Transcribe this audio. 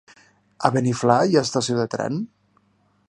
A Beniflà hi ha estació de tren?